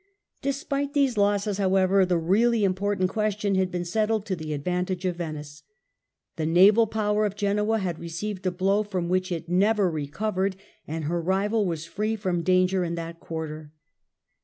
Despite these losses, however, the Results ot really important question had been settled to the ad van struggle tage of Venice. The naval power of Genoa had received a blow from which it never recovered, and her rival was free from danger in that quarter.